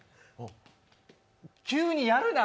急にやるな！